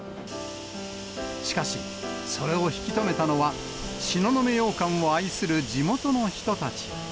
しかし、それを引き止めたのは、東雲羊羹を愛する地元の人たち。